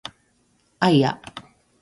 あいあ